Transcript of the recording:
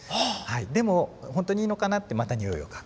でもほんとにいいのかなってまたにおいを嗅ぐ。